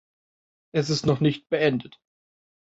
Es ist noch nicht beendet.